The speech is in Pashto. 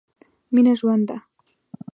مينه ژوند ده.